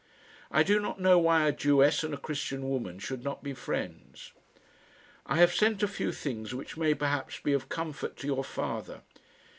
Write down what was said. I do not know why a Jewess and a Christian woman should not be friends. I have sent a few things which may perhaps be of comfort to your father.